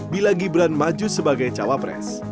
bila gibran maju sebagai cawapres